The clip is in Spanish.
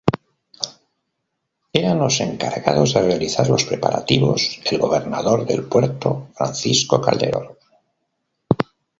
Eran los encargados de realizar los preparativos el gobernador del puerto Francisco Calderón.